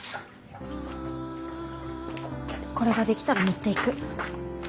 これが出来たら持っていく。